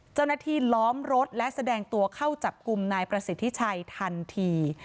ล้อมรถและแสดงตัวเข้าจับกลุ่มนายประสิทธิชัยทันที